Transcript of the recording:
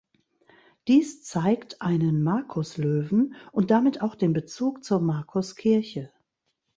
Dies zeigt einen Markuslöwen und damit auch den Bezug zur Markuskirche.